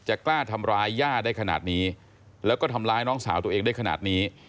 กล้าทำร้ายย่าได้ขนาดนี้แล้วก็ทำร้ายน้องสาวตัวเองได้ขนาดนี้